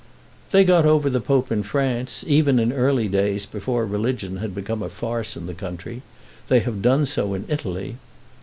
"They got over the Pope in France, even in early days, before religion had become a farce in the country. They have done so in Italy."